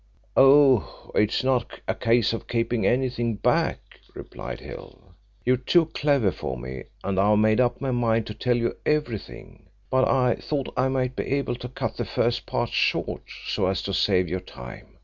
"Oh, it's not a case of keeping anything back," replied Hill. "You're too clever for me, and I've made up my mind to tell you everything, but I thought I might be able to cut the first part short, so as to save your time.